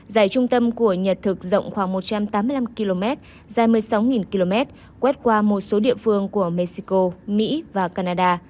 dài trung tâm của nhật thực rộng khoảng một trăm tám mươi năm km dài một mươi sáu km quét qua một số địa phương của mexico mỹ và canada